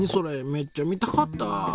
めっちゃ見たかった。